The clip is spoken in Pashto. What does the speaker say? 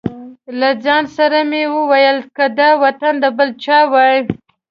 له ځان سره مې وویل که دا وطن د بل چا وای.